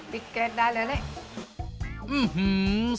ติ๊กเก็ตได้และเลย